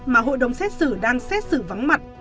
mà hội đồng xét xử đang xét xử vắng mặt